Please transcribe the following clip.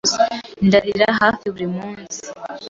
Ndarira hafi buri munsi.